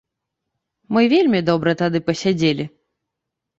Мы вельмі добра тады пасядзелі.